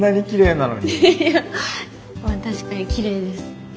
いやまあ確かにきれいです。